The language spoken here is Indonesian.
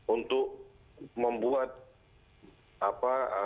untuk membuat sop atau